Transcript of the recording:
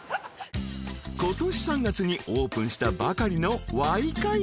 ［今年３月にオープンしたばかりのワイカイ］